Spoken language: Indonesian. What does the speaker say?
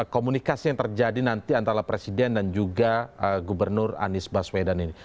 komunikasi yang terjadi nanti antara presiden dan juga gubernur anies baswedan ini